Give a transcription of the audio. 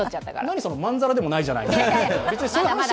何、そのまんざらでもないじゃないみたいな表情。